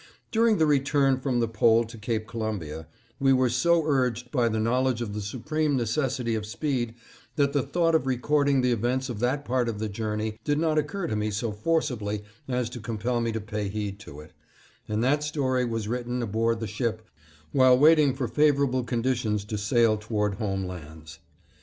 During the return from the Pole to Cape Columbia, we were so urged by the knowledge of the supreme necessity of speed that the thought of recording the events of that part of the journey did not occur to me so forcibly as to compel me to pay heed to it, and that story was written aboard the ship while waiting for favorable conditions to sail toward home lands.